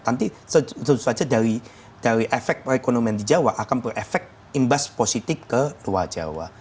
nanti tentu saja dari efek perekonomian di jawa akan berefek imbas positif ke luar jawa